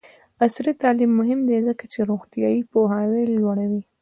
عصري تعلیم مهم دی ځکه چې روغتیایي پوهاوی لوړوي.